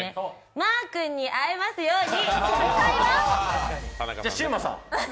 マー君に会えますように！